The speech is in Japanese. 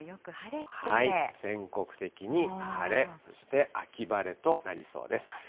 全国的に晴れ、そして秋晴れとなりそうです。